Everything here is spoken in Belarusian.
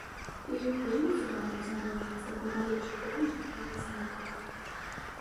І ён вельмі цудоўна азнаёмлены з такой балючай тэмай, як зніклыя.